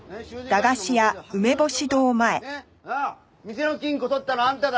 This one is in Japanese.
店の金庫盗ったのあんただろ！？